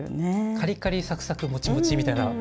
カリカリサクサクモチモチみたいな。